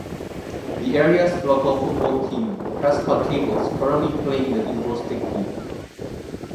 The area's local football team Prescot Cables currently play in the EvoStik League.